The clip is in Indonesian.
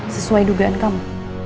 sesuai dugaan kamu